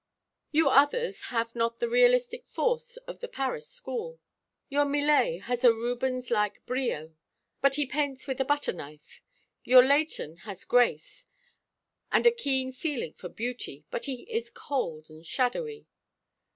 You others have not the realistic force of the Paris school. Your Millais has a Rubens like brio, but he paints with a butter knife. Your Leighton has grace, and a keen feeling for beauty, but he is cold and shadowy.